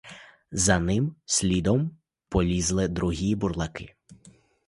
За ним слідом полізли другі бурлаки.